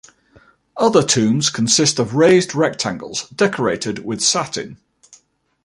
Other tombs consist of raised rectangles, decorated with satin.